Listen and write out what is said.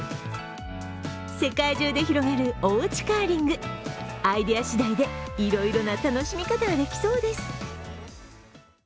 世界中で広がるおうちカーリング、アイデア次第でいろいろな楽しみ方ができそうです。